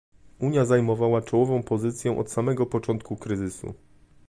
Unia zajmowała czołową pozycję od samego początku kryzysu